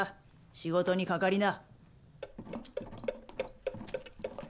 仕事にかかりな。